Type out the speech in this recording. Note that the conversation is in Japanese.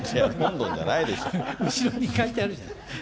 いや、後ろに書いてあるじゃん。